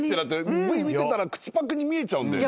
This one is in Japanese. Ｖ見てたら口パクに見えちゃうんだよね。